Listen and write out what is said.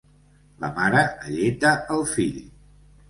La mare alleta el fill.